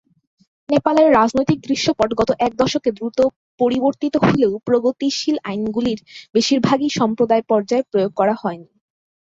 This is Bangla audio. নেপালের রাজনৈতিক দৃশ্যপট গত এক দশকে দ্রুত পরিবর্তিত হলেও, প্রগতিশীল আইনগুলির বেশিরভাগই সম্প্রদায় পর্যায়ে প্রয়োগ করা হয়নি।